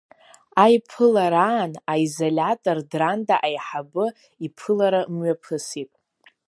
Аиԥылараан аизолиатор Дранда аиҳабы иԥылара мҩаԥысит.